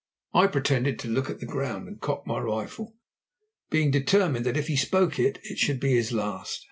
I pretended to look at the ground, and cocked my rifle, being determined that if he spoke it, it should be his last.